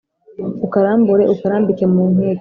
Ukarambure ukarambike mu nkike